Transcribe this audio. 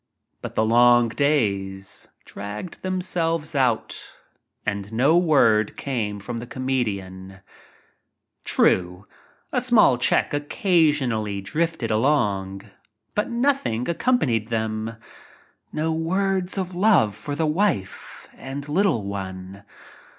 But the long days dragged themselves out and no word came from the comedian. True a small check occasionally drifted along, but nothing ac companied them — no words of love for the wife and little one.